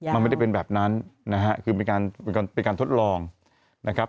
มันไม่ได้เป็นแบบนั้นนะฮะคือเป็นการทดลองนะครับ